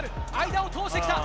間を通してきた。